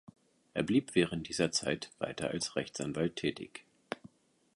Er blieb während dieser Zeit weiter als Rechtsanwalt tätig.